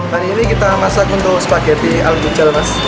hari ini kita masak untuk spageti al ginjal mas